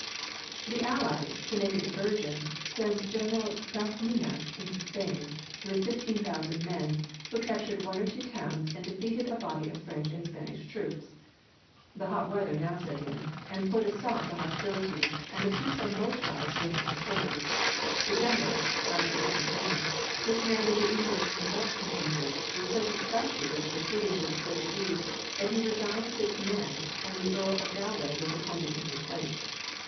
"The allies, to make a diversion, sent General Das Minas into Spain, with fifteen thousand men, who captured one or two towns and defeated a body of French and Spanish troops. The hot weather now set in, and put a stop to hostilities, and the troops on both sides went into quarters. The general I forget his name who commanded the English and Dutch contingent, was so disgusted with the proceedings of the Portuguese that he resigned his command, and the Earl of Galway was appointed in his place.